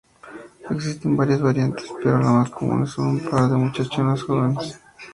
Existen varias variantes, pero las más comunes son un par de muchachas jóvenes.